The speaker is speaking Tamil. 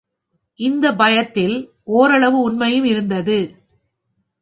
இந்தப் பயத்தில் ஒரளவு உண்மையும் இருந்தது.